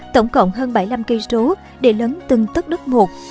tổng cộng hơn bảy mươi năm cây rố để lớn từng tất đất một